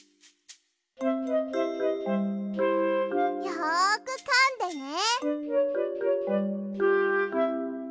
よくかんでね。